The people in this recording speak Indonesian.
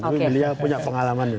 tapi beliau punya pengalaman